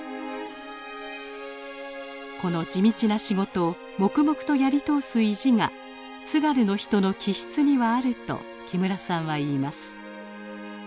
この地道な仕事を黙々とやり通す意地が津軽の人の気質にはあると木村さんは言います。